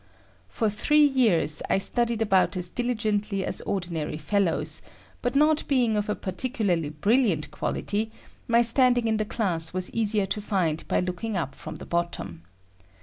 For three years I studied about as diligently as ordinary fellows, but not being of a particularly brilliant quality, my standing in the class was easier to find by looking up from the bottom.